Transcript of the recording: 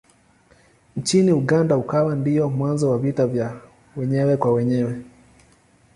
Nchini Uganda ikawa ndiyo mwanzo wa vita vya wenyewe kwa wenyewe.